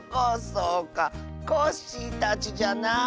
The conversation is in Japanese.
そうかコッシーたちじゃな。